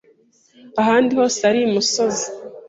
ahandi hose ari imisozi.